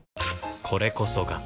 これこそが